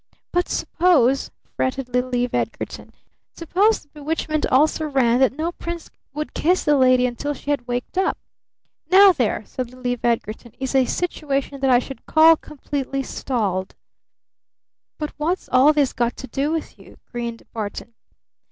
But suppose," fretted little Eve Edgarton, "suppose the bewitchment also ran that no prince would kiss the lady until she had waked up? Now there!" said little Eve Edgarton, "is a situation that I should call completely stalled." "But what's all this got to do with you?" grinned Barton.